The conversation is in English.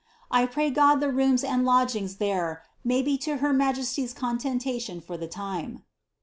1 pray God the rooms and lodgings there may be to her majesty's contentation for the lime."